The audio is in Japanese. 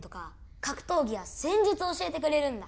格闘技や戦術を教えてくれるんだ